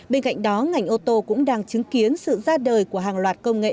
bên cạnh đó ngành ô tô cũng đang chứng kiến sự ra đời của hàng loạt công nghệ